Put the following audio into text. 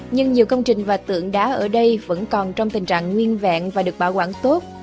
nhưng nhiều công trình và tượng đá ở đây vẫn còn trong tình trạng nguyên vẹn và được bảo quản tốt